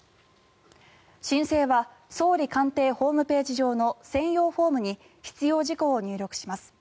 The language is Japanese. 申請は総理官邸ホームページ上の専用フォームに必要事項を入力します。